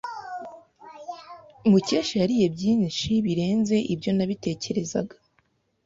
Mukesha yariye byinshi birenze ibyo nabitekerezaga.